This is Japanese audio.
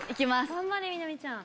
頑張れみなみちゃん。